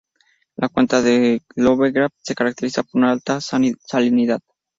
La cuenca del Llobregat se caracteriza por una alta salinidad.